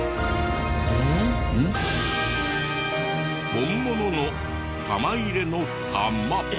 本物の玉入れの玉。